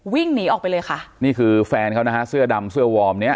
วิ่งหนีออกไปเลยค่ะนี่คือแฟนเขานะฮะเสื้อดำเสื้อวอร์มเนี้ย